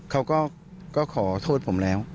เขาก็ขอโทษผมแล้ว